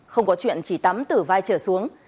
không có chuyện chỉ tắm từ vai trở xuống